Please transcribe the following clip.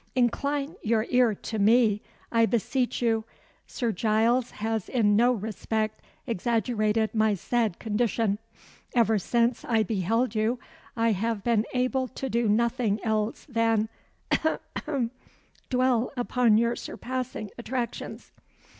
"Incline your ear to me, I beseech you. Sir Giles has in no respect exaggerated my sad condition. Ever since I beheld you I have been able to do nothing else than ough! ough! dwell upon your surpassing attractions.